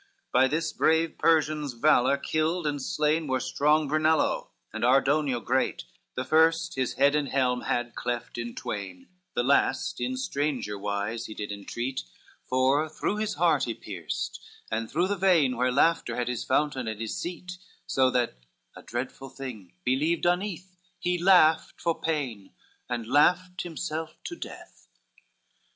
XXXIX By this brave Persian's valor, killed and slain Were strong Brunello and Ardonia great; The first his head and helm had cleft in twain, The last in stranger wise he did intreat, For through his heart he pierced, and through the vein Where laughter hath his fountain and his seat, So that, a dreadful thing, believed uneath, He laughed for pain, and laughed himself to death.